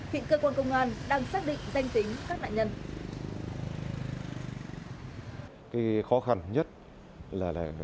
hiện cơ quan công an đang xác định danh tính các nạn nhân